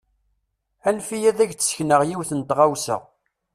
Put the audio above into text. Anef-iyi ad ak-d-sekneɣ yiwet n tɣawsa.